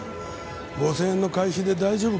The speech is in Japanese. ５０００円の会費で大丈夫か？